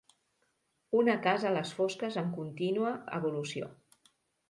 Una casa a les fosques en contínua evolució.